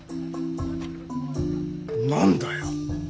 何だよ。